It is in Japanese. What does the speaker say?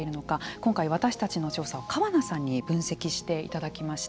今回、私たちの調査を川名さんに分析していただきました。